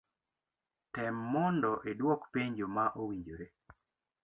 Tem momdo iduok penjo ma owinjore.